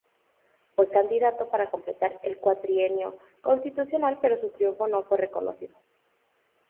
Fue candidato para completar el cuatrienio constitucional, pero su triunfo no fue reconocido.